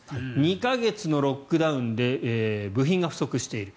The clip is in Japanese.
２か月のロックダウンで部品が不足している。